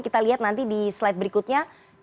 kita lihat nanti di slide berikutnya